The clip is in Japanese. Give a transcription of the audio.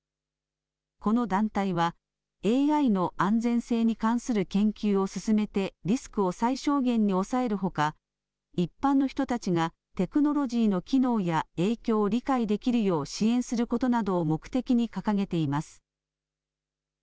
この団体はＡＩの安全性に関する研究を進めてリスクを最小限に抑えるほか一般の人たちがテクノロジーの機能や影響を理解できるよう支援することなどを目的に掲げています。